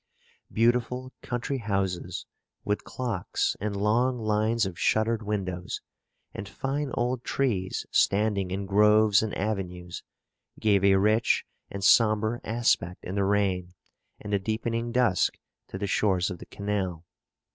Beautiful country houses, with clocks and long lines of shuttered windows, and fine old trees standing in groves and avenues, gave a rich and sombre aspect in the rain and the deepening dusk to the shores of the canal.